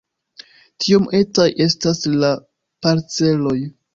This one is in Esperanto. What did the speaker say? Tiom etaj estas la parceloj!